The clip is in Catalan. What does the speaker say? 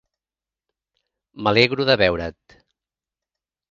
M'alegro de veure't.